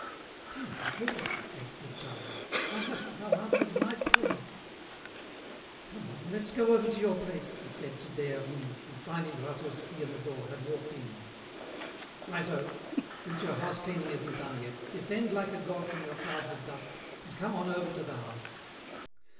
"Dear Lord," thought Durtal, "how hast thou answered my prayers! Come on, let's go over to your place," he said to Des Hermies, who, finding Rateau's key in the door, had walked in. "Righto! since your housecleaning isn't done yet, descend like a god from your clouds of dust, and come on over to the house."